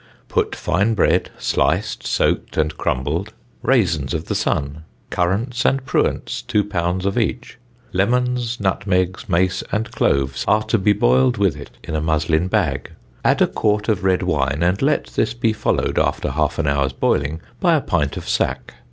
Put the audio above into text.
Put fine bread, sliced, soaked, and crumbled; raisins of the sun, currants and pruants two lbs. of each; lemons, nutmegs, mace and cloves are to be boiled with it in a muslin bag; add a quart of red wine and let this be followed, after half an hour's boiling, by a pint of sack.